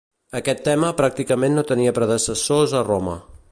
Aquest tema pràcticament no tenia predecessors a Roma.